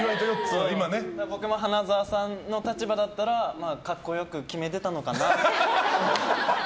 僕も、花澤さんの立場だったら格好良く決めてたのかなとか。